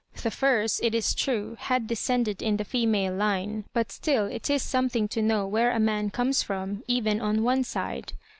The Firs, it is true, had descended in the female line, but still it is something to know where a man comes from, even on one side.